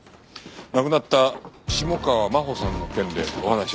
亡くなった下川真帆さんの件でお話が。